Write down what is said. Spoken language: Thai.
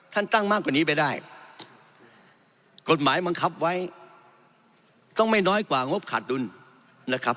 ตั้งมากกว่านี้ไปได้กฎหมายบังคับไว้ต้องไม่น้อยกว่างบขาดดุลนะครับ